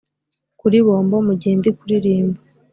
kuri bombo mugihe ndi kuririmba